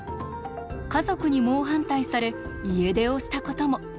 家族に猛反対され家出をしたことも。